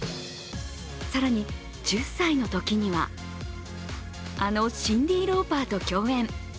更に、１０歳のときにはあのシンディ・ローパーと共演。